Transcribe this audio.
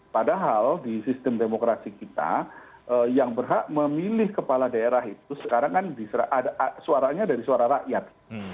padahal di sistem demokrasi kita yang berhak memilih kepala daerah itu sekarang kan suaranya dari suara rakyat